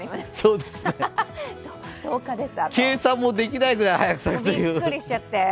計算もできないくらい早く過ぎるという。